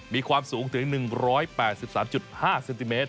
มีความสูงถึง๑๘๓๕เซนติเมตร